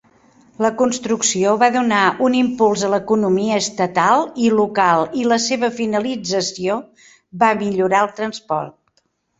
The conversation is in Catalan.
La construcció va donar un impuls a l'economia estatal i local, i la seva finalització va millorar el transport.